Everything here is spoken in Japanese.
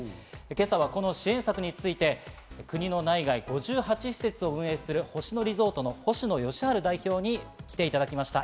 今朝はこの支援策について、国内外５８施設を運営する星野リゾートの星野佳路代表に来ていただきました。